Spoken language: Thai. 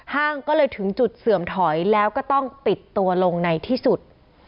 ก็เลยถึงจุดเสื่อมถอยแล้วก็ต้องปิดตัวลงในที่สุด